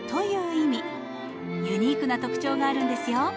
ユニークな特徴があるんですよ。